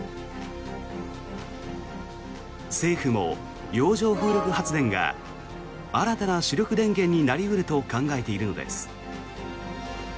政府も洋上風力発電が新たな主力電源になり得ると考えているのです。